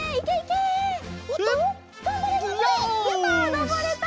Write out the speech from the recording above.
のぼれた！